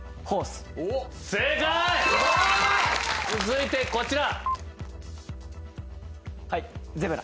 続いてこちら。